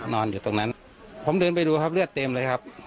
นอนอยู่ตรงนั้นผมเดินไปดูครับเลือดเต็มเลยครับ